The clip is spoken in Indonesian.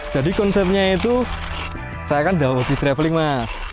jadi konsepnya itu saya kan udah hobi traveling mas